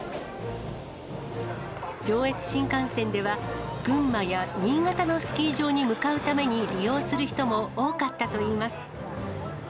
上越新幹線では、群馬や新潟のスキー場に向かうために利用する人も多かったといいます。